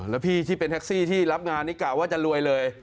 แล้วพี่ที่เป็นแท็กซี่ที่รับงานนี่กะว่าจะรวยเลย